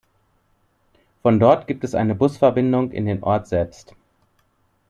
Von dort gibt es eine Busverbindung in den Ort selbst.